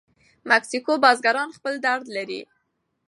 مکسیکو بزګران خپل درد لري.